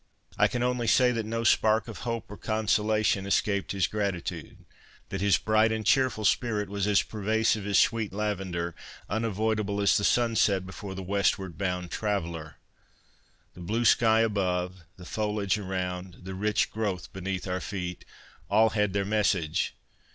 I can only say that no spark of hope or consolation escaped his gratitude ; that his bright and cheerful spirit was as ' pervasive as sweet lavender, unavoidable as the sunset before the westward bound traveller.' The blue sky above, the foliage around, the rich growth beneath our feet — all had their message.